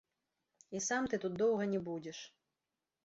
І сам ты тут доўга не будзеш.